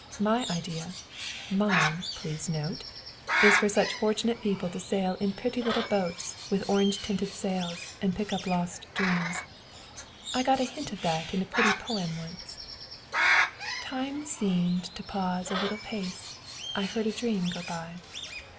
My idea mine, please note is for such fortunate people to sail in pretty little boats with orange tinted sails and pick up lost dreams. I got a hint of that in a pretty poem once "'Time seemed to pause a little pace, I heard a dream go by.'"